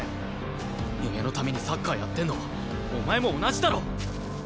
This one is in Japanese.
夢のためにサッカーやってんのはお前も同じだろ！